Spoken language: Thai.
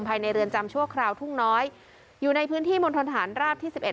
ภายในเรือนจำชั่วคราวทุ่งน้อยอยู่ในพื้นที่มณฑนฐานราบที่สิบเอ็